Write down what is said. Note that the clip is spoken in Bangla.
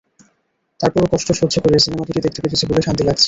তারপরও কষ্ট সহ্য করে সিনেমা দুটি দেখতে পেরেছি বলে শান্তি লাগছে।